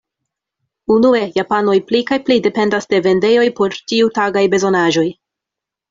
Unue, japanoj pli kaj pli dependas de vendejoj por ĉiutagaj bezonaĵoj.